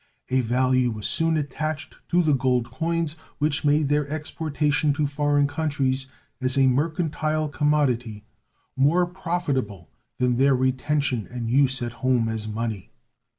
A value was soon attached to the gold coins which made their exportation to foreign countries as a mercantile commodity more profitable than their retention and use at home as money.